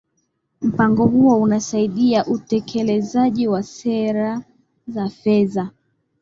mpango huo unasaidia utekelezaji wa sera za fedha